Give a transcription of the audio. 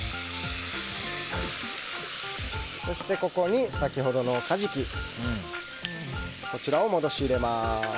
そして、ここに先ほどのカジキを戻し入れます。